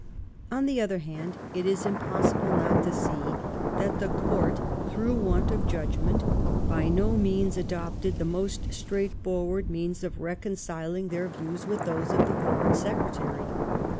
On the other hand, it is impossible not to see that the Court, through want of judgment, by no means adopted the most straightforward means of reconciling their 142 LIFE OF VISCOUNT PALMEBSTON. views with those of the Foreign Secretary.